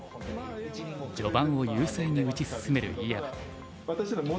序盤を優勢に打ち進める井山。